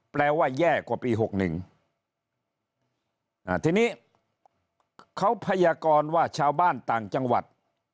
แปลว่าแย่กว่าปีหกหนึ่งอ่าทีนี้เขาพยากรว่าชาวบ้านต่างจังหวัด